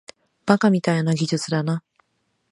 バカみたいな技術だな